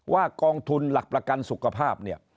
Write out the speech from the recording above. กองทุนหลักประกันสุขภาพเนี่ย